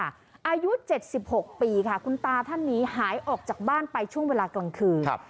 อายุ๗๖ปีค่ะคุณตาท่านนี้หายออกจากบ้านไปช่วงเวลากลางคืน